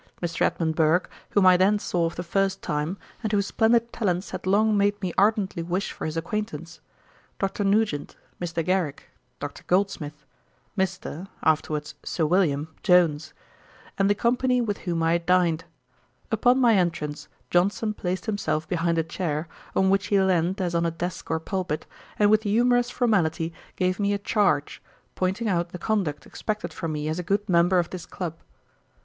Mr. Edmund Burke, whom I then saw for the first time, and whose splendid talents had long made me ardently wish for his acquaintance; Dr. Nugent, Mr. Garrick, Dr. Goldsmith, Mr. (afterwards Sir William) Jones, and the company with whom I had dined. Upon my entrance, Johnson placed himself behind a chair, on which he leaned as on a desk or pulpit, and with humorous formality gave me a Charge, pointing out the conduct expected from me as a good member of this club.